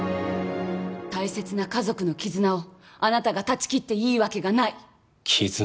大切な家族の絆をあなたが断ち切っていいわけがない絆？